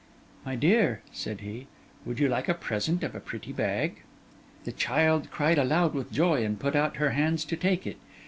'My dear,' said he, 'would you like a present of a pretty bag?' The child cried aloud with joy and put out her hands to take it.